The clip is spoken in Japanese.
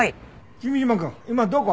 君嶋くん今どこ？